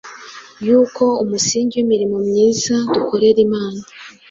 yuko umusingi w’imirimo myiza dukorera Imana,